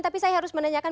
tapi saya harus menanyakan